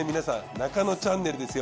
『ナカノチャンネル』ですよ。